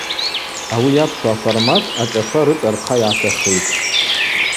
Ауи йапшу аформат ашӏаква рыцӏа рхъа йгӏатахитӏ.